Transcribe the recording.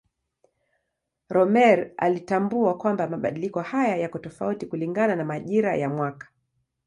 Rømer alitambua kwamba mabadiliko haya yako tofauti kulingana na majira ya mwaka.